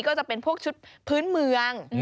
ก็จะเป็นพวกชุดพื้นเมือง